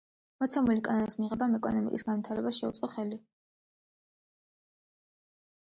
მოცემული კანონის მიღებამ ეკონომიკის განვითარებას შეუწყო ხელი.